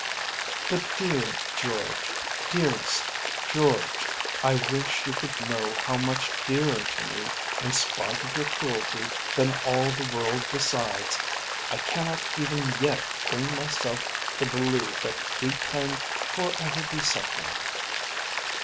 But, dear George, dearest George, I wish you could know how much dearer to me in spite of your cruelty than all the world besides, I cannot even yet bring myself to believe that we can for ever be separated.